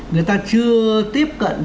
người ta chưa tiếp cận